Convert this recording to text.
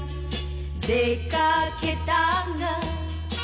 「出掛けたが」